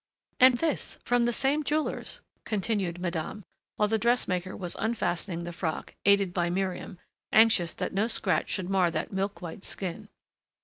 "And this, from the same jeweler's," continued madame, while the dressmaker was unfastening the frock, aided by Miriam, anxious that no scratch should mar that milk white skin.